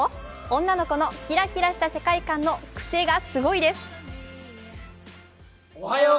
女の子のキラキラした世界観のクセがすごいです。